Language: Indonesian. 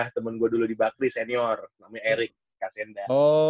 temen gue dulu di bakri senior namanya erik katenda